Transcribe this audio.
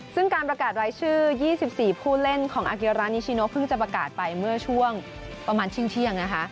ซึ่งการประกาศรายชื่อ๒๔ผู้เล่นของอาเกียรานิชิโนเพิ่งจะประกาศไปเมื่อช่วงประมาณเที่ยงนะคะ